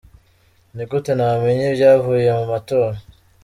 Ni gute namenya ibyavuye mu matora?.